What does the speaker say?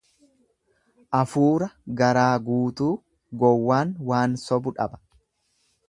Afuura garaa guutuu gowwaan waan sobu dhaba.